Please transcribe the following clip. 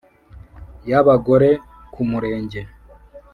y abagore ku Murenge